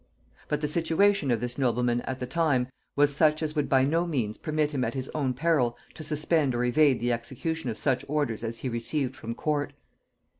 But the situation of this nobleman at the time was such as would by no means permit him at his own peril to suspend or evade the execution of such orders as he received from court.